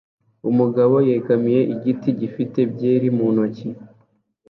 umugabo yegamiye igiti gifite byeri mu ntoki